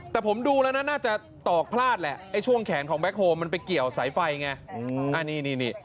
แต่ผมดูแล้วนะน่าจะตอกพลาดแหละไอ้ช่วงแขนของแก๊โฮลมันไปเกี่ยวสายไฟไง